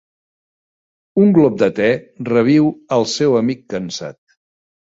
Un glop de te reviu al seu amic cansat.